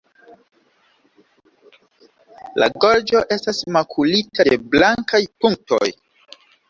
La gorĝo estas makulita de blankaj punktoj.